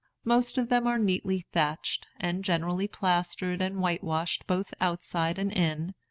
Most of them are neatly thatched, and generally plastered and whitewashed both outside and in.